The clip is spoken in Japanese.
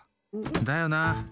だよな！